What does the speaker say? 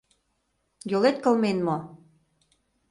Йолет кылмен мо?